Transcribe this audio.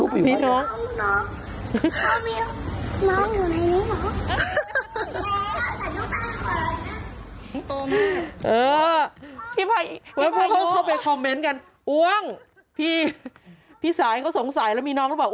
พี่สายเข้าไปคอมเมนต์กันอ้วงพี่สายก็สงสัยแล้วมีน้องหรือเปล่า